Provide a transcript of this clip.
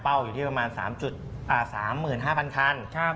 อยู่ที่ประมาณ๓๕๐๐คัน